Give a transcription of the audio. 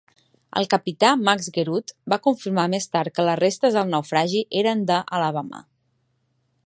El capità Max Guerout va confirmar més tard que les restes del naufragi eren de "Alabama".